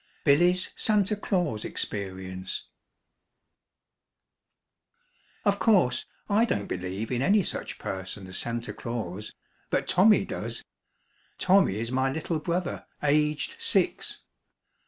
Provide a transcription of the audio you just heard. BILLY'S SANTA CLAUS EXPERIENCE. BY CORNELIA REDMOND. Of course I don't believe in any such person as Santa Claus, but Tommy does. Tommy is my little brother, aged six.